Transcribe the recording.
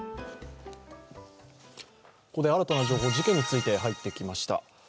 ここで新たな情報、事件について入ってきました。